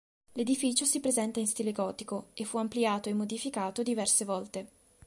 L’edificio si presenta in stile gotico e fu ampliato e modificato diverse volte.